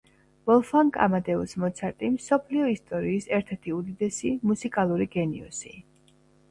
ვოლფგანგ ამადეუს მოცარტი — მსოფლიო ისტორიის ერთ-ერთი უდიდესი მუსიკალური გენიოსი